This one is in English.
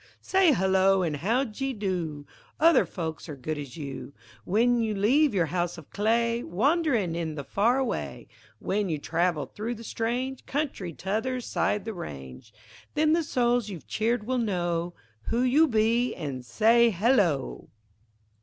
Say "hullo," an' "how d'ye do!" Other folks are good as you. W'en you leave your house of clay, Wanderin' in the Far Away, W'en you travel through the strange Country t'other side the range, Then the souls you've cheered will know Who you be, an' say "hullo!"